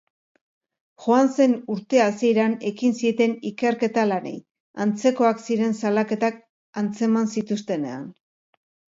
Joan zen urte hasieran ekin zieten ikerketa-lanei, antzekoak ziren salaketak antzeman zituztenean.